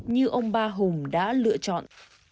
như ông ba hùng đã lựa chọn